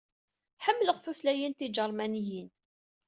Ḥemmleɣ tutlayin tiǧermaniyin.